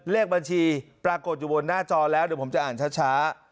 เลขบัญชีปรากฏอยู่บนหน้าจอแล้วเดี๋ยวผมจะอ่านช้า